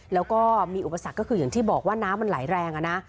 แล้วก็มีอุปสรรคก็คืออย่างที่บอกว่าน้ำมันไหลแรงนะ